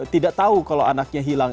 tidak tahu kalau anaknya hilang